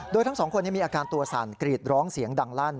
โดยทั้งสองคนนี้มีอาการตัวสั่นกรีดร้องเสียงดังลั่น